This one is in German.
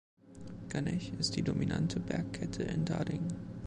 „Ganesh“ ist die dominante Bergkette in Dhading.